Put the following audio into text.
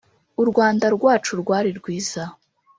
U Rwanda rwacu rwari rwiza